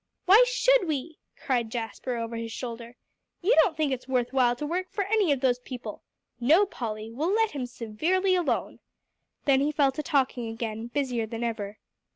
"Why should we?" cried Jasper over his shoulder. "You don't think it's worth while to work for any of those people. No, Polly, we'll let him severely alone." Then he fell to talking again, busier than ever.